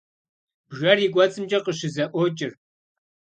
Бжэр и кӏуэцӏымкӏэ къыщызэӏуокӏыр.